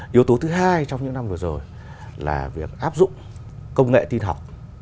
yếu tố thứ hai trong những năm vừa rồi là việc áp dụng công nghệ tin học